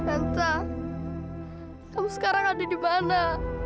entah kamu sekarang ada di mana